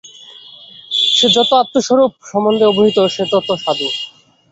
যে যত আত্মস্বরূপ সম্বন্ধে অবহিত, সে তত সাধু।